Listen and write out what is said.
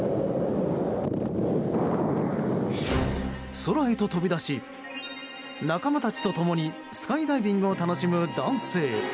空へと飛び出し、仲間たちと共にスカイダイビングを楽しむ男性。